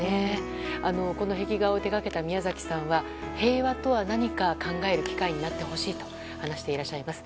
壁画を手掛けたミヤザキさんは平和とは何か考える機会になってほしいと話していらっしゃいます。